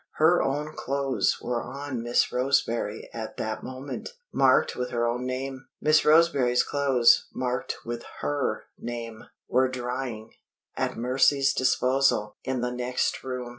Her own clothes were on Miss Roseberry at that moment marked with her own name. Miss Roseberry's clothes, marked with her name, were drying, at Mercy's disposal, in the next room.